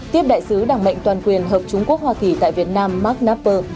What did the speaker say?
tiếp đại sứ đảng mệnh toàn quyền hợp trung quốc hoa kỳ tại việt nam mark nnapper